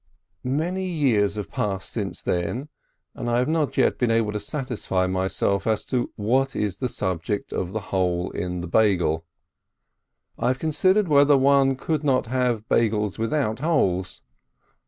310 TASHRAK Many years have passed since then, and I have not yet been able to satisfy myself as to what is the object of a hole in a Beigel. I have considered whether one could not have Beigels without holes.